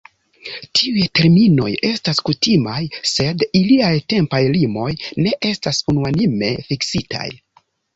Tiuj terminoj estas kutimaj, sed iliaj tempaj limoj ne estas unuanime fiksitaj.